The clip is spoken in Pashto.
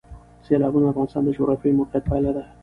سیلابونه د افغانستان د جغرافیایي موقیعت پایله ده.